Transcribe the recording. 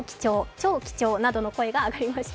超貴重！などの声が上がりました。